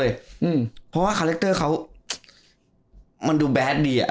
เพราะว่าคาแรคเตอร์เขามันดูแดดดีอ่ะ